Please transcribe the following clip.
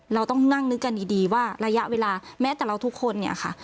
เราต้องนั่งนึกกันดีว่าระยะเวลาแม้แต่เราทุกคนเนี่ยค่ะ